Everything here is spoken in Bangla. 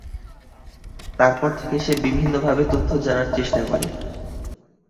তারপর থেকে সে বিভিন্ন ভাবে তথ্য জানার চেষ্টা করে।